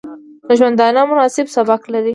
د ژوندانه مناسب سبک لري